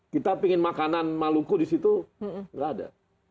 kita pingin makanan maluku di situ nggak ada